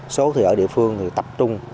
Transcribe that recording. số thì ở địa phương thì tập trung